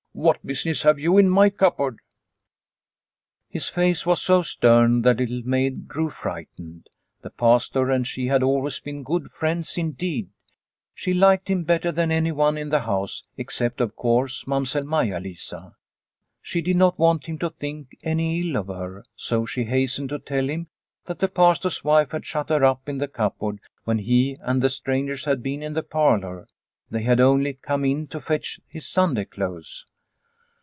' What business have you in my cupboard ?" His face was so stern that Little Maid grew frightened. The Pastor and she had always been good friends indeed ; she liked him better than anyone in the house, except, of course, Mamsell Maia Lisa. She did not want him The Accusation 237 to think any ill of her, so she hastened to tell him that the Pastor's wife had shut her up in the cupboard when he and the strangers had been in the parlour. They had only come in to fetch his Sunday clothes.